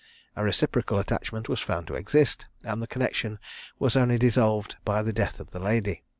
A reciprocal attachment was found to exist, and the connexion was only dissolved by the death of the lady.